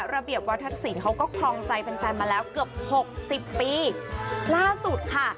ระเบียบวัฒนศิลป์เขาก็ครองใจแฟนแฟนมาแล้วเกือบหกสิบปีล่าสุดค่ะ